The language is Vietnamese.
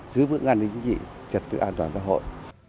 giữ vững an ninh chính trị trật tự an toàn xã hội